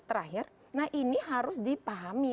terakhir nah ini harus dipahami